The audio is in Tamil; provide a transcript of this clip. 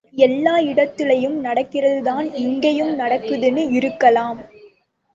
எல்லா இடத்துலயும் நடக்கிறதுதான் இங்கேயும் நடக்குதுன்னு இருக்கலாம்.